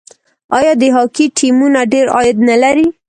آیا د هاکي ټیمونه ډیر عاید نلري؟